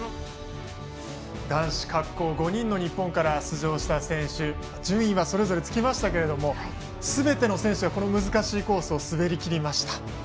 男子滑降、５人の日本から出場した選手順位はそれぞれつきましたけどもすべての選手が難しいコースを滑りきりました。